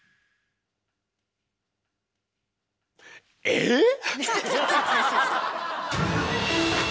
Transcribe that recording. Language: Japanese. えっ⁉